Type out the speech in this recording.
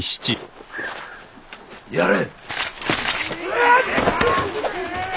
やれ。